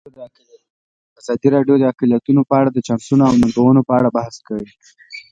ازادي راډیو د اقلیتونه په اړه د چانسونو او ننګونو په اړه بحث کړی.